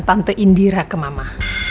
tante indira ke mama